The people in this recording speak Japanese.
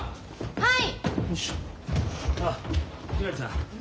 はい。